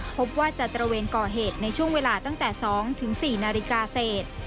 พบว่าจะตระเวนก่อเหตุในช่วงเวลาตั้งแต่๒๔นาฬิกาเศษ